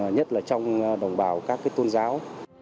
nhất là trong đồng bào các tôn giáo